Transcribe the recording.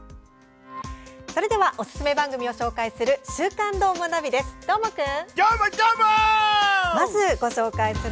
それではおすすめ番組を紹介する「週刊どーもナビ」です。